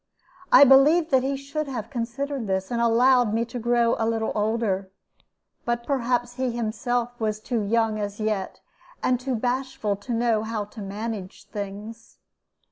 I believe that he should have considered this, and allowed me to grow a little older; but perhaps he himself was too young as yet and too bashful to know how to manage things.